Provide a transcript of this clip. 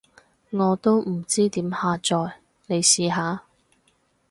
我都唔知點下載，你試下？